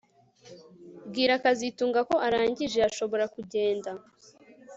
Bwira kazitunga ko arangije ashobora kugenda